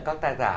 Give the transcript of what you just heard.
các tác giả